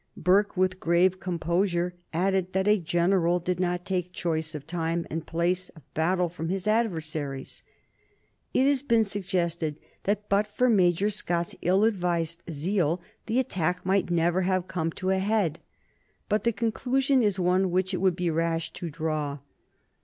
Burke, with grave composure, added that a general did not take choice of time and place of battle from his adversaries. It has been suggested that but for Major Scott's ill advised zeal the attack might never have come to a head. But the conclusion is one which it would be rash to draw.